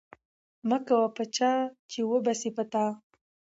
مه کوه په چا، چي وبه سي په تا